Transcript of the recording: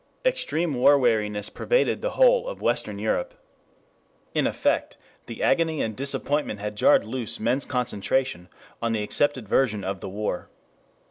Extreme war weariness pervaded the whole of western Europe. In effect, the agony and disappointment had jarred loose men's concentration on the accepted version of the war.